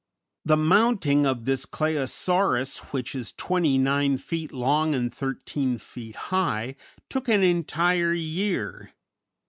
The mounting of this Claosaurus, which is 29 feet long and 13 feet high, took an entire year.